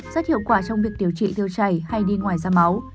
rất hiệu quả trong việc điều trị thiêu chảy hay đi ngoài da máu